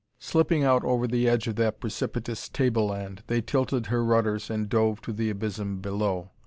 Slipping out over the edge of that precipitous tableland, they tilted her rudders and dove to the abysm below.